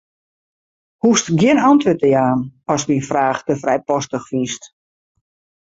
Hoechst gjin antwurd te jaan ast myn fraach te frijpostich fynst.